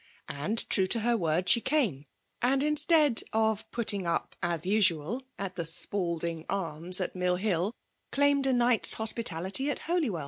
And true to her word, she came ; and instead of " putting up," as usual, at the Spalding Arms at Mill Hill, claimed a night^s hospitality at HoIywcB.